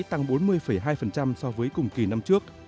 tăng bốn mươi hai so với cùng kỳ năm trước